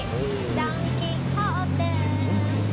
ドンキホーテ。